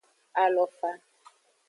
Alofa.